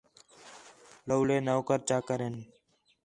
لَولے نوکر چاکر ہِن